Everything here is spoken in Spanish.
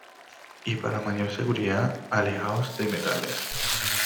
y para mayor seguridad, alejaos de metales